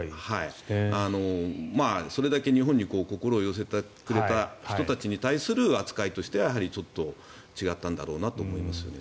それだけ日本に心を寄せてくれた人たちに対する扱いとしてはちょっと違ったんだろうなと思いますよね。